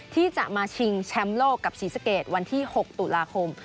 ที่จะมาชิงแชมป์โลกกับศรีสะเกดวันที่๖ตุลาคม